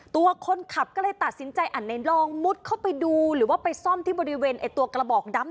ตัวคนขับก็เลยตัดสินใจอันไหนลองมุดเข้าไปดูหรือว่าไปซ่อมที่บริเวณไอ้ตัวกระบอกดำ